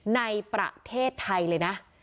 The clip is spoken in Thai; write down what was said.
ในประเทศไทยเลยนะ